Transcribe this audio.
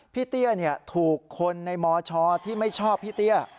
เตี้ยถูกคนในมชที่ไม่ชอบพี่เตี้ย